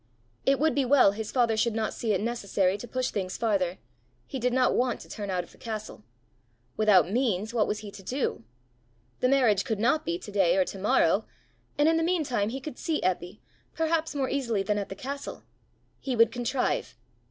It would be well his father should not see it necessary to push things farther! He did not want to turn out of the castle! Without means, what was he to do? The marriage could not be to day or to morrow! and in the meantime he could see Eppy, perhaps more easily than at the castle! He would contrive!